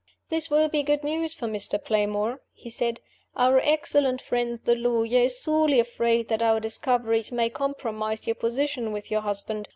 "This will be good news for Mr. Playmore," he said. "Our excellent friend, the lawyer, is sorely afraid that our discoveries may compromise your position with your husband.